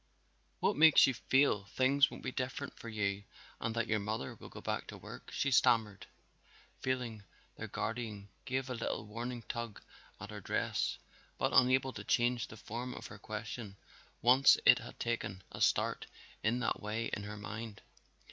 "What makes you feel things won't be different for you and that your mother will go back to work?" she stammered, feeling their guardian give a little warning tug at her dress but unable to change the form of her question once it had taken a start in that way in her mind.